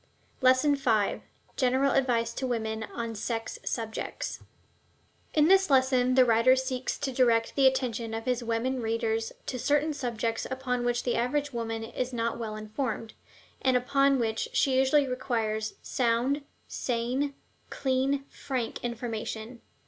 LESSON V GENERAL ADVICE TO WOMEN ON SEX SUBJECTS In this lesson the writer seeks to direct the attention of his women readers to certain subjects upon which the average woman is not well informed, and upon which she usually requires sound, sane, clean, frank information.